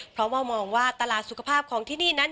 เพราะว่ามองว่าตลาดสุขภาพของที่นี่นั้น